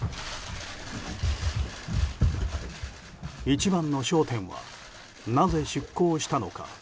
一番の焦点はなぜ出航したのか。